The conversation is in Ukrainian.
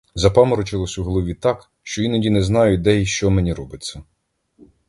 Запаморочилось у голові так, що іноді не знаю, де я й що мені робиться.